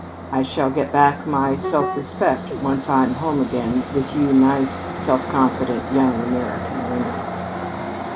I shall get back my self respect once I'm home again with you nice, self confident young American women."